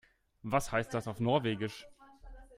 Was heißt das auf Norwegisch?